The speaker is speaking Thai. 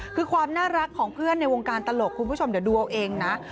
คือความน่ารักของเพื่อนในวงการตลกคุณผู้ชมเดี๋ยวดูเอาเองนะ